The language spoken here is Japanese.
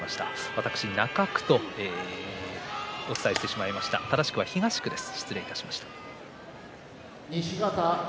私、中区とお伝えしてしまいましたが正しくは東区です。